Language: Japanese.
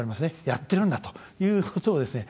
やってるんだということをですね